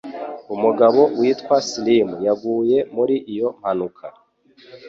Umugabo witwa Slim yaguye muri iyo mpanuka.